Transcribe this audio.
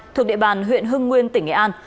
thuộc địa bàn huyện hưng nguyên tỉnh nghệ an